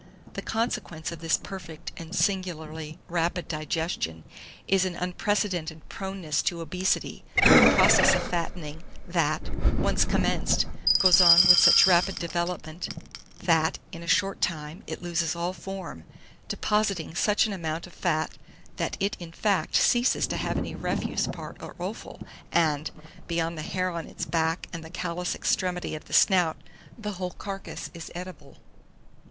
The consequence of this perfect and singularly rapid digestion is an unprecedented proneness to obesity, a process of fattening that, once commenced, goes on with such rapid development, that, in a short time, it loses all form, depositing such an amount of fat, that it in fact ceases to have any refuse part or offal, and, beyond the hair on its back and the callous extremity of the snout, the whole carcase is eatable. [Illustration: CHINESE SOW.] 786.